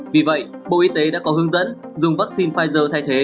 vì vậy bộ y tế đã có hướng dẫn dùng vaccine pfizer thay thế